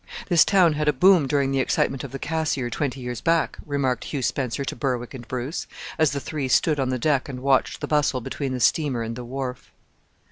"This town had a boom during the excitement of the Cassiar twenty years back," remarked Hugh Spencer to Berwick and Bruce, as the three stood on the deck and watched the bustle between the steamer and the wharf.